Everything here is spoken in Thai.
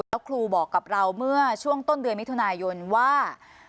แล้วครูบอกกับเราเมื่อช่วงต้นเดือนมิถุนายนว่า